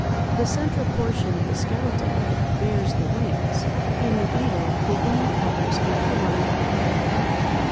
The central portion of the skeleton bears the wings. In the beetle the wing covers are formed of hard chitin.